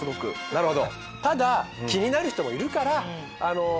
なるほど。